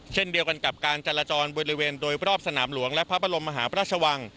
เช่นเดียวกันกับการจราจรบริเวณโดยรอบสนามหลวงและพระบรมมหาพระราชวัง